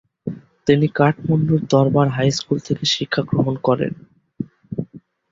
তিনি কাঠমান্ডুর দরবার high school থেকে শিক্ষা গ্রহণ করেন।